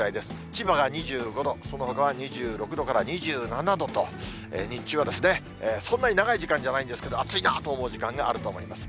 千葉が２５度、そのほかは２６度から２７度と、日中はそんなに長い時間じゃないんですけど、暑いなと思う時間があると思います。